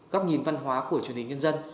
góc nhìn văn hóa của truyền hình nhân dân